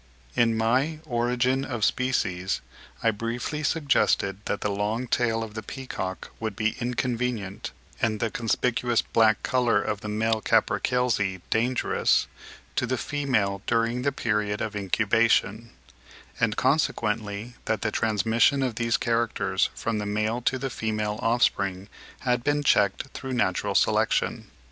In my 'Origin of Species' (1. Fourth edition, 1866, p. 241.) I briefly suggested that the long tail of the peacock would be inconvenient and the conspicuous black colour of the male capercailzie dangerous, to the female during the period of incubation: and consequently that the transmission of these characters from the male to the female offspring had been checked through natural selection.